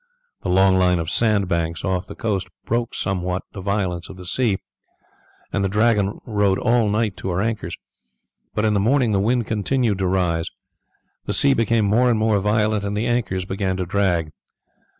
The long line of sandbanks off the coast broke somewhat the violence of the sea, and the Dragon rode all night to her anchors; but in the morning the wind continued to rise. The sea became more and more violent, and the anchors began to drag.